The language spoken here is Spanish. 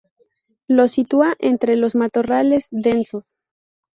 Lo sitúa entre los matorrales densos.